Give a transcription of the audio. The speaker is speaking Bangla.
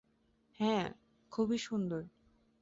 হ্যাঁ, খুবই সুন্দর।